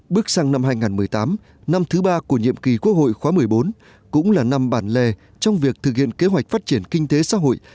bước sang năm hai nghìn một mươi tám năm thứ ba của nhiệm kỳ quốc hội khóa một mươi bốn cũng là năm bản lề trong việc thực hiện kế hoạch phát triển kinh tế xã hội